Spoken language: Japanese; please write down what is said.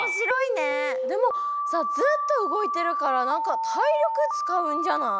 でもさずっとうごいてるからなんかたいりょくつかうんじゃない？